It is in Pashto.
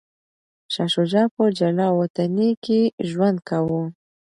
شاه شجاع په جلاوطنۍ کي ژوند کاوه.